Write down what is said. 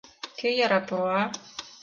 Кӧ яра пуа?